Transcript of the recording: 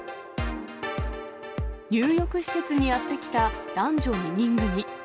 入浴施設にやって来た男女２人組。